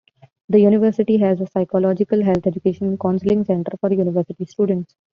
The university has a psychological health education and counseling center for university students.